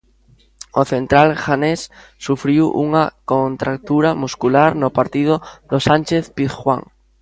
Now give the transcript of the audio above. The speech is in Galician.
O central ghanés sufriu unha contractura muscular no partido do Sánchez-Pizjuán.